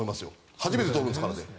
初めてとるんですからね。